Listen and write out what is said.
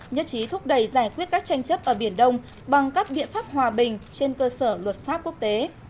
nhất trí thúc đẩy giải quyết các tranh chấp ở biển đông bằng các biện pháp hòa bình trên cơ sở luật pháp quốc tế